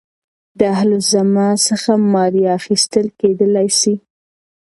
د اهل الذمه څخه مالیه اخیستل کېدلاى سي.